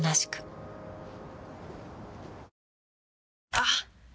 あっ！